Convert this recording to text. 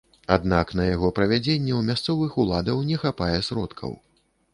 Аднак на яго правядзенне ў мясцовых уладаў не хапае сродкаў.